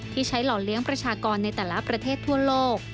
ที่ใช้หล่อเลี้ยงประชากรในแต่ละประเทศทั่วโลก